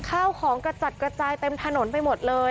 ข้าวของกระจัดกระจายเต็มถนนไปหมดเลย